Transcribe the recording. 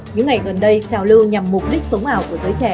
những ngày gần đây trào lưu nhằm mục đích sống ảo của giới trẻ